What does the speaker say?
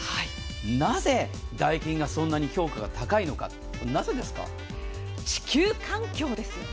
なぜ、ダイキンがそんなに評価が高いのか地球環境ですよね。